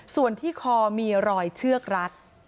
ส่วนที่คอมีรอยเชือกรัด